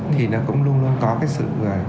thì nó cũng luôn luôn có cái sự